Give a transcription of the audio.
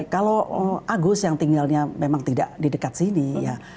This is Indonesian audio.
kalau agus yang tinggalnya memang tidak di dekat sini ya